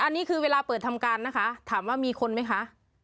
อันนี้คือเวลาเปิดทำการนะคะถามว่ามีคนไหมคะ